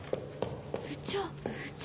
部長。